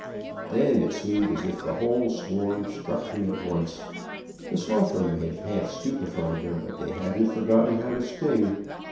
"Then it seemed as if the whole swarm struck me at once. The sulphur may have half stupefied them, but they hadn't forgotten how to sting.